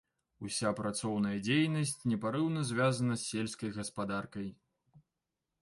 Уся працоўная дзейнасць непарыўна звязана з сельскай гаспадаркай.